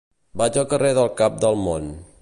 Vaig al carrer del Cap del Món.